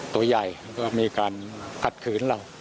ตัวใหญ่ก็มีการกัดขืนเรา